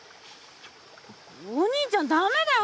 お兄ちゃんだめだよ。